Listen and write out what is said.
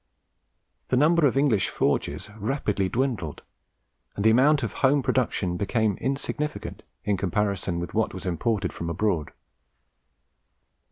The number of English forges rapidly dwindled, and the amount of the home production became insignificant in comparison with what was imported from abroad.